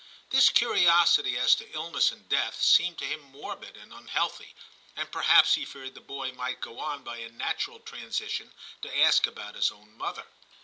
This curiosity as to illness and death seemed to him morbid and unhealthy, and perhaps he feared the boy might go on by a natural transition to ask about his own mother.